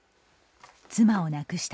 妻を亡くした